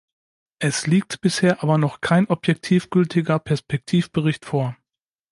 Es liegt bisher aber noch kein objektiv gültiger Perspektivbericht vor.